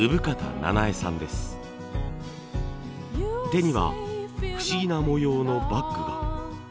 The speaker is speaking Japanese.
手には不思議な模様のバッグが。